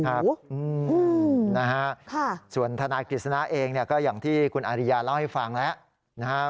นะฮะส่วนทนายกฤษณาเองก็อย่างที่คุณอาริยาเล่าให้ฟังแล้วนะฮะ